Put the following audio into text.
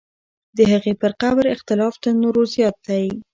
د هغې پر قبر اختلاف تر نورو زیات دی.